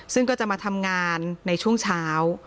ซึ่งก็จะมาทำงานในช่วงเช้า